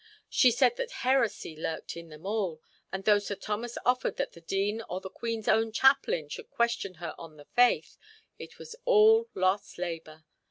She said that heresy lurked in them all, and though Sir Thomas offered that the Dean or the Queen's own chaplain should question her on the faith, it was all lost labour.